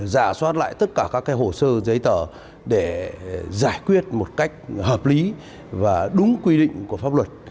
giả soát lại tất cả các hồ sơ giấy tờ để giải quyết một cách hợp lý và đúng quy định của pháp luật